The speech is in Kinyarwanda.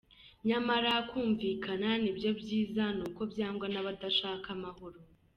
Nyamara kumvikana nibyobyiza nuko byangwa nabadashaka amahoro